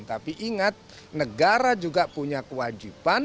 tapi ingat negara juga punya kewajiban